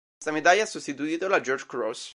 Questa medaglia ha sostituito la George Cross.